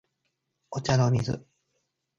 お茶の水